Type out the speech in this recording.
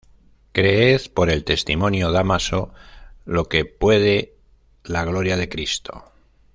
Creed, por el testimonio de Dámaso, lo que puede la gloria de Cristo.